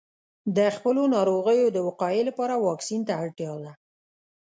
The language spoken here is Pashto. د خپلو ناروغیو د وقایې لپاره واکسین ته اړتیا ده.